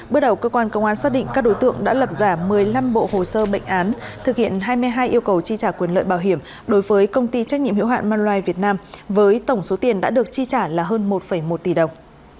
bước đầu cơ quan công an xác định các đối tượng đã lập giả một mươi năm bộ hồ sơ bệnh án thực hiện hai mươi hai yêu cầu chi trả quyền lợi bảo hiểm đối với công ty trách nhiệm hiệu hạn manulife việt nam với tổng số tiền đã được chi trả là hơn một một tỷ đồng